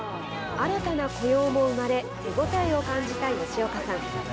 新たな雇用も生まれ手応えを感じた吉岡さん。